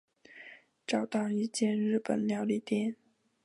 找到一间日本料理店